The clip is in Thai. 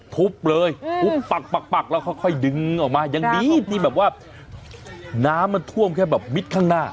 ทุบเลยทุบปักแล้วค่อยดึงออกมายังดีที่แบบว่าน้ำมันท่วมแค่แบบมิดข้างหน้า